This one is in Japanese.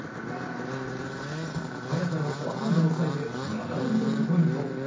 早田のフォアハンドもさえて７連続ポイント。